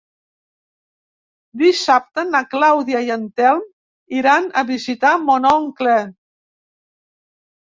Dissabte na Clàudia i en Telm iran a visitar mon oncle.